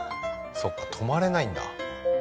そうか止まれないんだ。